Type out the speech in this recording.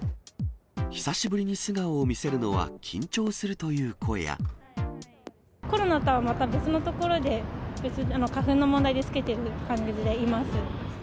久しぶりに素顔を見せるのは、コロナとはまた別のところで、花粉の問題で着けている感じでいます。